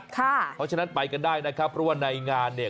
เพราะฉะนั้นไปกันได้นะครับเพราะว่าในงานเนี่ย